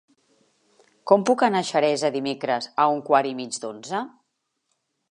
Com puc anar a Xeresa dimecres a un quart i mig d'onze?